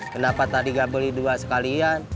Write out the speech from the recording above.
kenapa tadi nggak beli dua sekalian